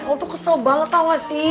eh lo tuh kesel banget tau gak sih